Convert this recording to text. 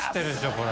これ。